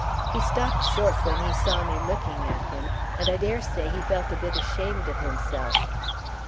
He stopped short when he saw me looking at him, and I daresay he felt a bit ashamed of himself.